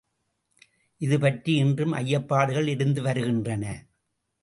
இது பற்றி இன்றும் ஐயப்பாடுகள் இருந்து வருகின்றன.